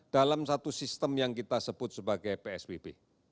dalam satu sistem yang kita sebut sebagai psbb